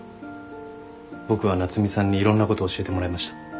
僕は夏海さんにいろんなこと教えてもらいました。